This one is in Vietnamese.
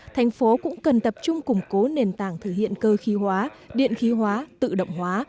thành phố cũng cần tập trung củng cố nền tảng thực hiện cơ khí hóa điện khí hóa tự động hóa